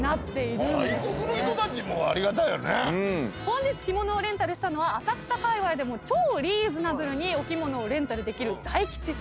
本日着物をレンタルしたのは浅草かいわいでも超リーズナブルにお着物をレンタルできる大吉さんです。